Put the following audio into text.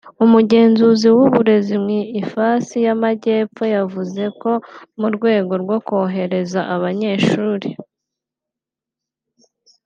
Umugenzuzi w’uburezi mu ifasi y’Amajyepfo yavuze ko mu rwego rwo korohereza abanyeshuri